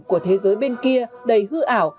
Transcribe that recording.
của thế giới bên kia đầy hư ảo